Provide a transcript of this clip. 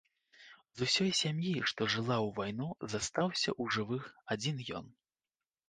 З усёй сям'і, што жыла ў вайну, застаўся ў жывых адзін ён.